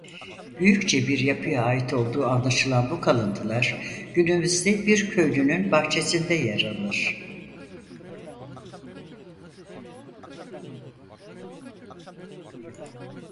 Büyükçe bir yapıya ait olduğu anlaşılan bu kalıntılar günümüzde bir köylünün bahçesinde yer alır.